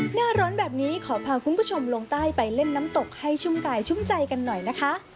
หน้าร้อนแบบนี้ขอพาคุณผู้ชมลงใต้ไปเล่นน้ำตกให้ชุ่มกายชุ่มใจกันหน่อยนะคะ